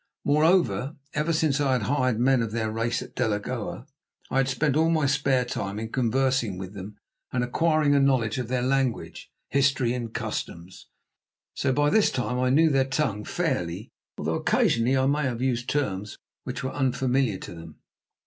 Moreover, ever since I had hired men of their race at Delagoa, I had spent all my spare time in conversing with them and acquiring a knowledge of their language, history and customs. So by this time I knew their tongue fairly, although occasionally I may have used terms which were unfamiliar to them.